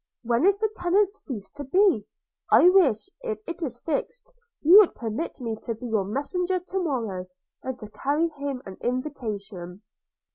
When is the tenants' feast to be? I wish, if it is fixed, you would permit me to be your messenger to morrow, and to carry him an invitation.'